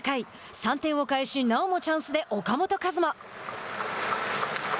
３点を返しなおもチャンスで岡本和真。